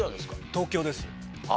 東京です。